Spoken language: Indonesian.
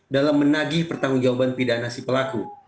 dalam menagih pertanggung jawaban pidana si pelaku